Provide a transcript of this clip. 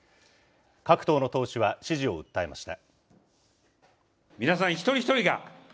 各党の党首は支持を訴えました。